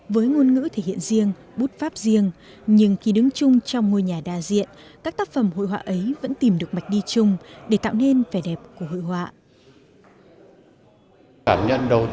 với ngôn ngữ thể hiện riêng bút pháp riêng nhưng khi đứng chung trong ngôi nhà đa diện các tác phẩm hội họa ấy vẫn tìm được mạch đi chung để tạo nên vẻ đẹp của hội họa